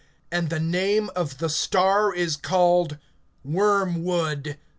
(11)And the name of the star is called Wormwood.